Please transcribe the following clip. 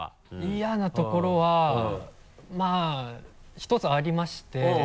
嫌なところはまぁひとつありまして。